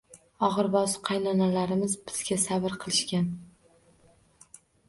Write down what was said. Og`ir-bosiq qaynonalarimiz bizga sabr qilishgan